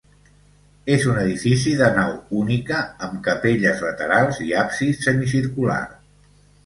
És un edifici de nau única, amb capelles laterals i absis semicircular.